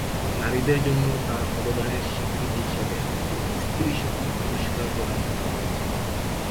নারীদের জন্য তার অবদানের স্বীকৃতি হিসেবে তাকে স্ত্রী শক্তি পুরস্কার প্রদান করা হয়েছিল।